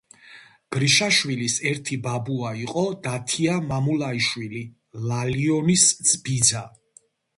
გრიშაშვილის ერთი ბაბუა იყო დათია მამულაიშვილი, ლალიონის ბიძა.